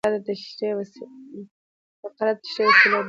فقره د تشریح وسیله ده.